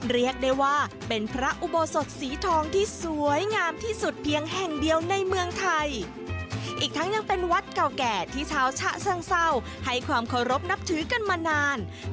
เรียกได้ว่าเป็นพระอุโบสถสีทองที่สวยงามที่สุดเพียงแห่งเดียวในเมืองไทย